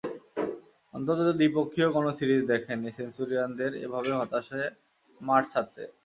অন্তত দ্বিপক্ষীয় কোনো সিরিজ দেখেনি সেঞ্চুরিয়ানদের এভাবে হতাশ হয়ে মাঠ ছাড়তে।